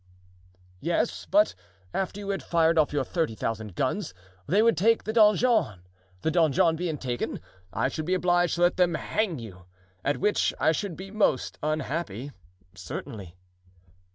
"Yes, but after you had fired off your thirty thousand guns they would take the donjon; the donjon being taken, I should be obliged to let them hang you—at which I should be most unhappy, certainly."